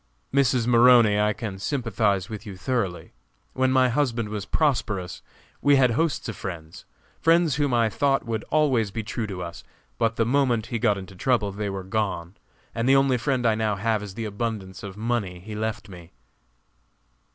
"Mrs. Maroney, I can sympathize with you thoroughly. When my husband was prosperous we had hosts of friends friends whom I thought would always be true to us; but the moment he got into trouble they were gone, and the only friend I now have is the abundance of money he left me."